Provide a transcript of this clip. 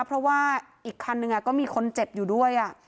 เพราะว่าอีกคันนึงก็มีคนเจ็บอยู่ด้วย